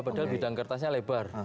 padahal bidang kertasnya lebar